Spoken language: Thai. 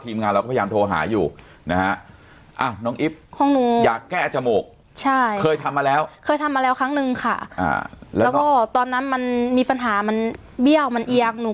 คุณอามถ้าฟังอยู่อยากจะชี้แจงอะไรเพิ่ม